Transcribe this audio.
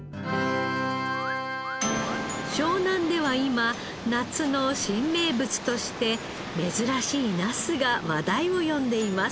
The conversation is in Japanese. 湘南では今夏の新名物として珍しいナスが話題を呼んでいます。